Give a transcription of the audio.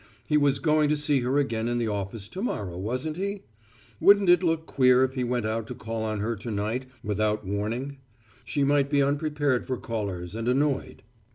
He was going to see her again in the office to morrow, wasn't he? Wouldn't it look queer if he went out to call on her to night without warning? She might be wholly unprepared for callers and annoyed.